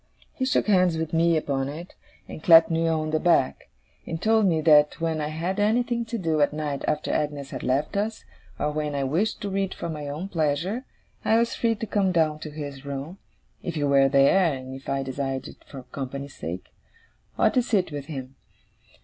He shook hands with me upon it, and clapped me on the back; and told me that when I had anything to do at night after Agnes had left us, or when I wished to read for my own pleasure, I was free to come down to his room, if he were there and if I desired it for company's sake, and to sit with him.